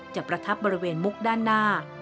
ประทับบริเวณมุกด้านหน้า